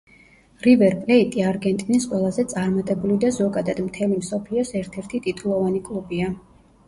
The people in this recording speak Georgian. რივერ პლეიტი არგენტინის ყველაზე წარმატებული და ზოგადად მთელი მსოფლიოს ერთ-ერთი ტიტულოვანი კლუბია.